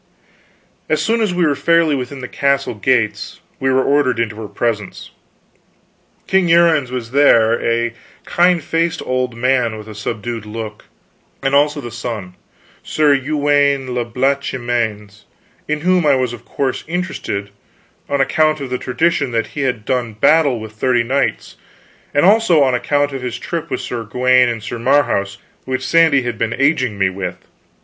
As soon as we were fairly within the castle gates we were ordered into her presence. King Uriens was there, a kind faced old man with a subdued look; and also the son, Sir Uwaine le Blanchemains, in whom I was, of course, interested on account of the tradition that he had once done battle with thirty knights, and also on account of his trip with Sir Gawaine and Sir Marhaus, which Sandy had been aging me with.